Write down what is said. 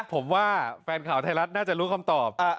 ผมว่าแฟนข่าวไทยรัฐน่าจะรู้คำตอบ